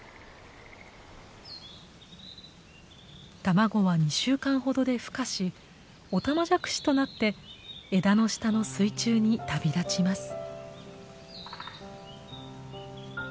卵は２週間ほどでふ化しオタマジャクシとなって枝の下の水中に旅立ちます。